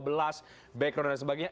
background dan sebagainya